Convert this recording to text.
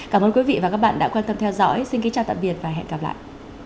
cảm ơn quý vị và các bạn đã quan tâm theo dõi xin kính chào tạm biệt và hẹn gặp lại